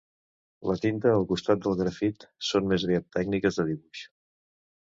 La tinta al costat del grafit són més aviat tècniques de dibuix.